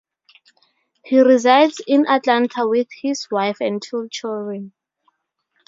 He resides in Atlanta with his wife and two children.